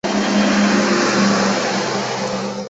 天水小檗为小檗科小檗属下的一个种。